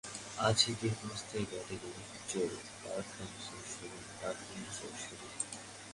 আছে দীর্ঘস্থায়ী ব্যাটারি ও উচ্চ পারফরমেন্সের সুবিধা।